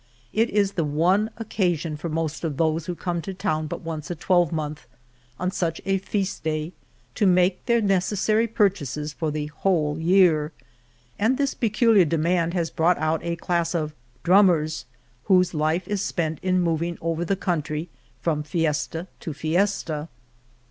It is the one occasion for most of those who come to town but once a twelvemonth, on such a feast day, to make their necessary purchases for the whole year. And this peculiar demand has brought out a class of " drummers," whose life is spent in moving over the country, from fiesta to fiesta.